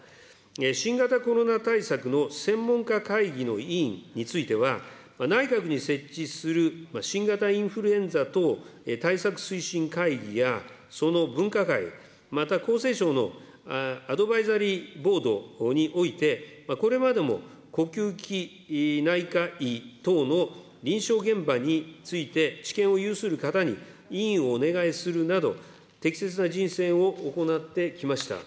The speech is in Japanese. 新型コロナ対策の専門家会議の委員については、内閣に設置する新型インフルエンザ等対策推進会議や、その分科会、また厚生省のアドバイザリーボードにおいて、これまでも、呼吸器内科医等の臨床現場について知見を有する方に、委員をお願いするなど、適切な人選を行ってきました。